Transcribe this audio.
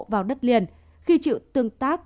vào đất liền khi chịu tương tác